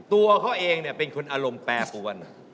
ตัวเขาเองเป็นคนอารมณ์แปรปวน